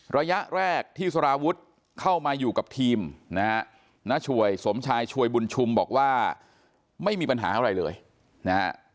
ระยะแรกที่สารวุฒิเข้ามาอยู่กับทีมนะฮะน้าช่วยสมชายช่วยบุญชุมบอกว่าไม่มีปัญหาอะไรเลยนะฮะ